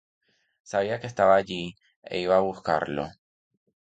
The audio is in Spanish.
Sabía que estaba allí, e iba a buscarlo.